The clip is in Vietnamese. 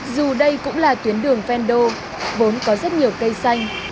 dù đây cũng là tuyến đường vendo vốn có rất nhiều cây xanh